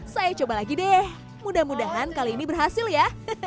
saya coba lagi deh mudah mudahan kali ini berhasil ya